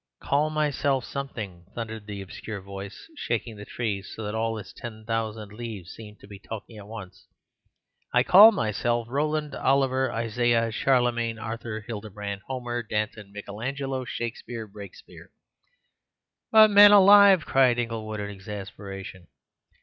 "Call myself something," thundered the obscure voice, shaking the tree so that all its ten thousand leaves seemed to be talking at once. "I call myself Roland Oliver Isaiah Charlemagne Arthur Hildebrand Homer Danton Michaelangelo Shakespeare Brakespeare—" "But, manalive!" began Inglewood in exasperation.